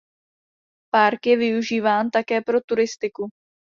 Park je využíván také pro turistiku.